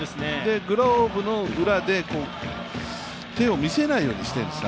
グローブの裏で手を見せないようにしてるんです。